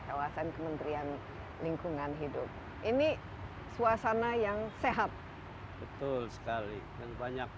kawasan kementerian lingkungan hidup ini suasana yang sehat betul sekali dan banyak